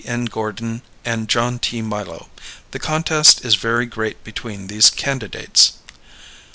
N. Gordon and John T Milo. The contest is very great between these candidates.